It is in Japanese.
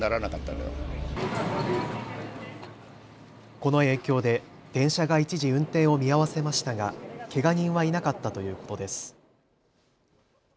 この影響で電車が一時、運転を見合わせましたがけが人はいなかったということです。